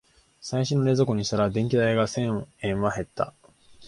最新の冷蔵庫にしたら電気代が千円は減った